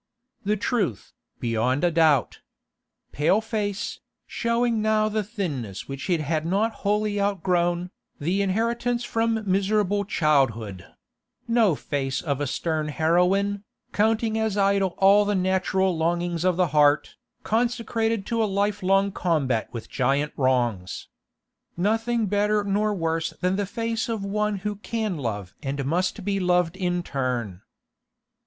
The truth, beyond a doubt. Pale face, showing now the thinness which it had not wholly outgrown, the inheritance from miserable childhood; no face of a stern heroine, counting as idle all the natural longings of the heart, consecrated to a lifelong combat with giant wrongs. Nothing better nor worse than the face of one who can love and must be loved in turn.